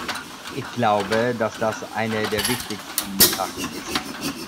Ich glaube, dass das eine der wichtigen Sachen ist.